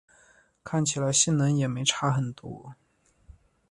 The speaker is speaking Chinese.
看起来性能也没差很多